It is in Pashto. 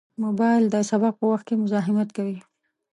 موبایل د سبق په وخت کې مزاحمت کوي.